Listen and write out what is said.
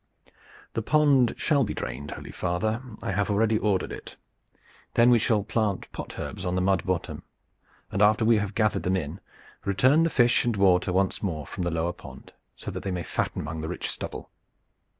"The pond shall be drained, holy father; I have already ordered it. Then we shall plant pot herbs on the mud bottom, and after we have gathered them in, return the fish and water once more from the lower pond, so that they may fatten among the rich stubble."